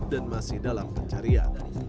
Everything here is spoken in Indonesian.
dan masih dalam pencarian